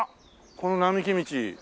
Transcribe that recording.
この並木道。